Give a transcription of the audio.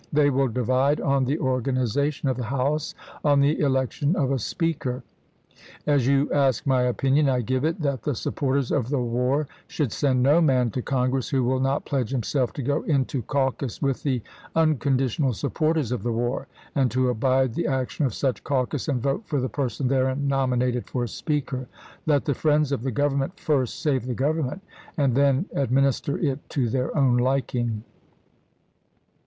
They will divide on the organization of the House — on the election of a Speaker. As you ask my opinion, I give it, that the supporters of the war should send no man to Congress who will not pledge himself to go into caucus with the unconditional supporters of the war, and to abide the action of such caucus and vote for the person therein nominated for Speaker. Let the friends of the Govern ment first save the Government, and then administer it to their own liking.